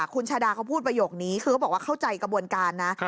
คุณชาดาเขาพูดประโยคนี้คือเขาบอกว่าเข้าใจกระบวนการนะ